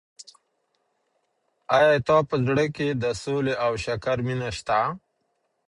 ایا ستا په زړه کي د سولي او شکر مینه سته؟